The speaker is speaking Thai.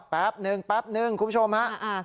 แป๊บหนึ่งคุณผู้ชมฮะ